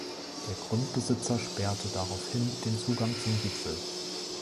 Der Grundbesitzer sperrte darauf hin den Zugang zum Gipfel.